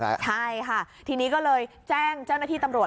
ใช่ค่ะทีนี้ก็เลยแจ้งเจ้าหน้าที่ตำรวจ